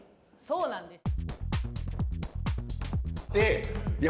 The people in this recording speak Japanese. そうなんです。